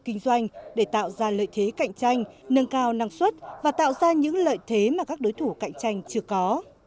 kinh doanh để tạo ra lợi thế cạnh tranh nâng cao năng suất và tạo ra những lợi thế mà các đối thủ cạnh tranh chưa có